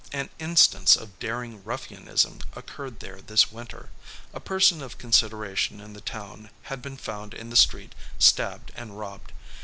An instance of daring ruffianism occurred there this winter. A person of consideration in the town had been found in the street stabbed and robbed.